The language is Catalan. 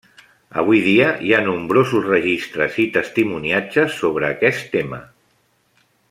Avui dia hi ha nombrosos registres i testimoniatges sobre aquest tema.